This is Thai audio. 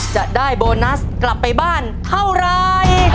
จะได้โบนัสกลับไปบ้านเท่าไร